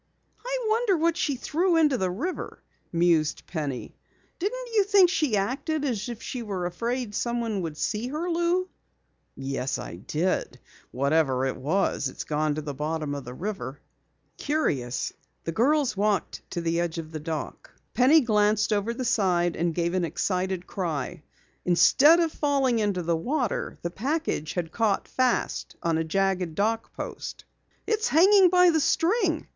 "I wonder what she threw into the river?" mused Penny. "Didn't you think she acted as if she were afraid someone would see her, Lou?" "Yes, I did. Whatever it was, it's gone to the bottom of the river." Curiously the girls walked to the edge of the dock. Penny glanced over the side and gave an excited cry. Instead of falling into the water, the package had caught fast on a jagged dock post. "It's hanging by the string!"